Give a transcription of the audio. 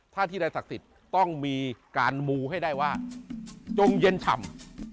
ถ้าที่ใดศักดิ์สิทธิ์ต้องมีการมูให้ได้ว่าจงเย็นฉ่ำ